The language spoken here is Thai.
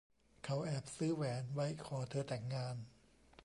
เขาแอบซื้อแหวนไว้ขอเธอแต่งงาน